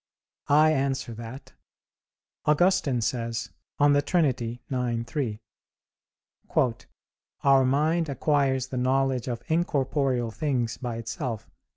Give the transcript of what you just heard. I answer that, Augustine says (De Trin. ix, 3), "our mind acquires the knowledge of incorporeal things by itself" i.